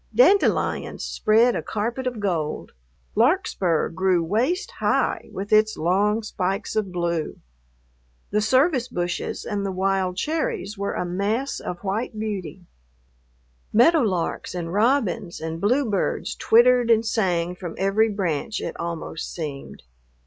Dandelions spread a carpet of gold. Larkspur grew waist high with its long spikes of blue. The service bushes and the wild cherries were a mass of white beauty. Meadowlarks and robins and bluebirds twittered and sang from every branch, it almost seemed.